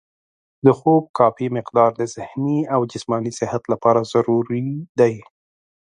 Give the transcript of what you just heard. د خوب کافي مقدار د ذهني او جسماني صحت لپاره ضروري دی.